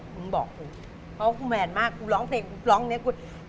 มึงบอกกูเพราะกูแมนมากกูร้องเพลงกูร้องนี้กู